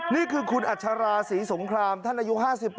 นี่คือคุณอัชราศรีสงครามท่านอายุ๕๘